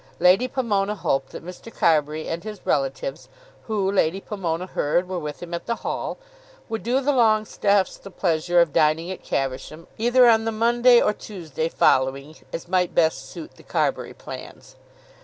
Lady Pomona hoped that Mr. Carbury and his relatives, who, Lady Pomona heard, were with him at the Hall, would do the Longestaffes the pleasure of dining at Caversham either on the Monday or Tuesday following, as might best suit the Carbury plans.